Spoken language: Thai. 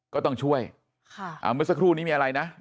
ก็ต้องช่วยเมื่อสักครู่นี้มีอะไรนะ